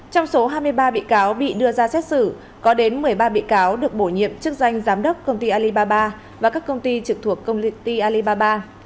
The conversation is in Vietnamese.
trong số hai mươi ba bị cáo bị đưa ra xét xử có đến một mươi ba bị cáo được bổ nhiệm chức danh giám đốc công ty alibaba và các công ty trực thuộc công ty alibaba